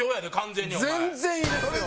全然いいですよ。